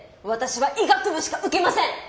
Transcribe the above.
私は医学部しか受けません。